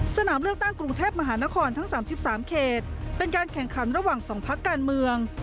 สนามเลือกตั้งกรุงเทพมหานครทั้ง๓๓เขตเป็นการแข่งขันระหว่าง๒พักการเมือง